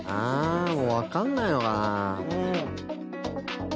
わかんないのかな。